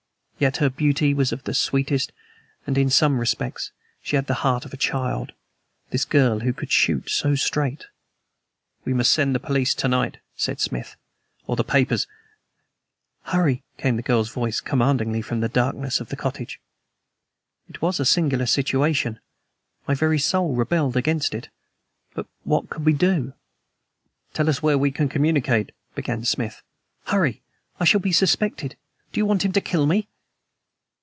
Yet her beauty was of the sweetest; and in some respects she had the heart of a child this girl who could shoot so straight. "We must send the police to night," said Smith. "Or the papers " "Hurry," came the girl's voice commandingly from the darkness of the cottage. It was a singular situation. My very soul rebelled against it. But what could we do? "Tell us where we can communicate," began Smith. "Hurry. I shall be suspected. Do you want him to kill me!"